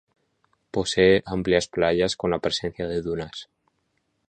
Posee amplias playas con la presencia de dunas.